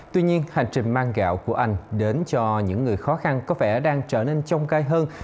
tuy nhiên hành trình mang gạo của anh đến cho những người khó khăn có vẻ đang trở nên trông gai hơn